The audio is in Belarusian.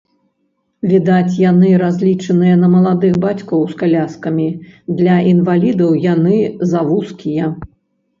Відаць, яны разлічаныя на маладых бацькоў з каляскамі, для інвалідаў яны завузкія.